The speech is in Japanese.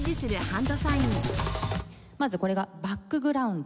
まずこれがバックグラウンド。